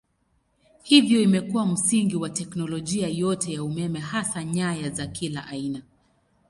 Hivyo imekuwa msingi wa teknolojia yote ya umeme hasa nyaya za kila aina.